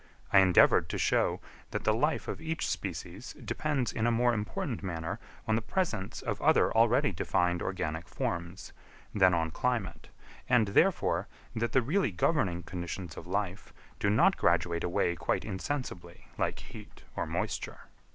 I endeavoured to show, that the life of each species depends in a more important manner on the presence of other already defined organic forms, than on climate, and, therefore, that the really governing conditions of life do not graduate away quite insensibly like heat or moisture.